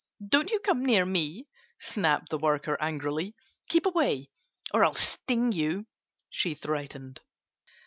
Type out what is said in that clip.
"Don't you come near me!" snapped the worker angrily. "Keep away or I'll sting you!" she threatened.